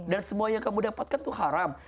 dan semua yang kamu dapatkan itu haram